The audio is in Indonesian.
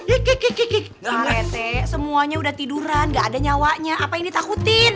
iki semuanya udah tiduran gak ada nyawanya apa yang ditakutin